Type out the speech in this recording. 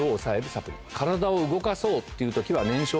体を動かそうっていう時は。